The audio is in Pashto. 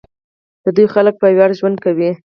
د دوی خلک په ویاړ ژوند کوي.